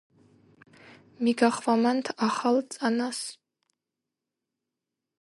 მიგახვამანთ ახალ წანას